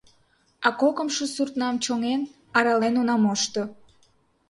А кокымшо суртнам, чоҥен, арален она мошто.